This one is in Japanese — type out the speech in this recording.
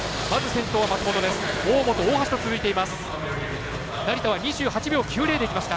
先頭は松本です。